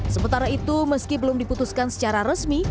sementara itu meski belum diputuskan secara resmi